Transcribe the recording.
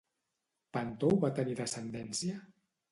Pàntou va tenir descendència?